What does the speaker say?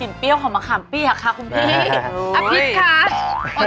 เห็นเปรี้ยวของมะขามเปียกครับคุณพี่